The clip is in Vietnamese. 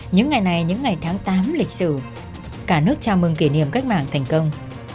những ngày này những ngày tháng tám lịch sử cả nước chào mừng kỷ niệm cách mạng thành công